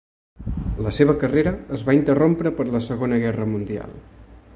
La seva carrera es va interrompre per la Segona Guerra mundial.